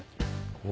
お。